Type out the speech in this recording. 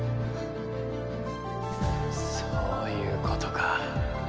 そういうことか。